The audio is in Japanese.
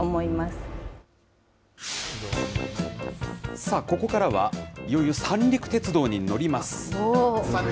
さあ、ここからはいよいよ三陸鉄道に乗ります。